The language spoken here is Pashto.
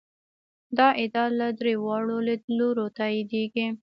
دا ادعا له درې واړو لیدلورو تاییدېږي.